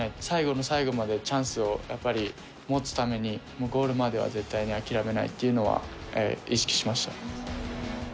最後の最後までチャンスを持つためにゴールまでは絶対に諦めないっていうのは意識しました。